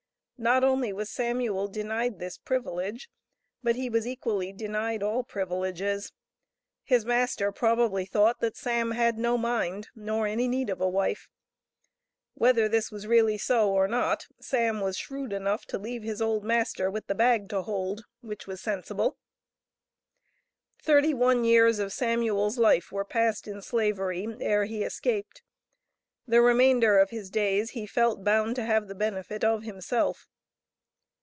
Not only was Samuel denied this privilege, but he was equally denied all privileges. His master probably thought that Sam had no mind, nor any need of a wife. Whether this was really so or not, Sam was shrewd enough to "leave his old master with the bag to hold," which was sensible. Thirty one years of Samuel's life were passed in Slavery, ere he escaped. The remainder of his days he felt bound to have the benefit of himself.